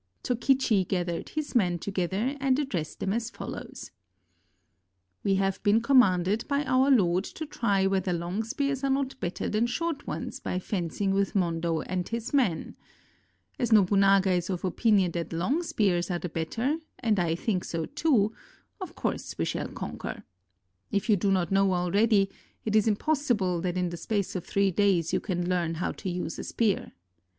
Tokichi gathered his men together and addressed them as follows: *'We have been commanded by our lord to try whether long spears are not better than short ones by fencing with Mondo and his men. As Nobunaga is of opinion that long spears are the better and I think so, too, of course we shall conquer. If you do not know already, it is impossible that in the space of three days you can learn how to use a spear.